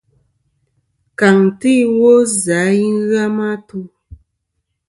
Kàŋtɨ iwo zɨ a i ghɨ a ma tu.